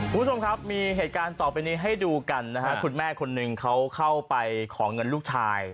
คุณผู้ชมครับมีเหตุการณ์ต่อไปนี้ให้ดูกันนะฮะคุณแม่คนหนึ่งเขาเข้าไปขอเงินลูกชาย